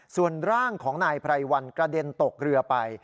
ส่วนร่างของนายไพรวันกระเด็นตกเรือไป